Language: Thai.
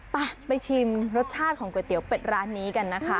ไปไปชิมรสชาติของก๋วยเตี๋ยวเป็ดร้านนี้กันนะคะ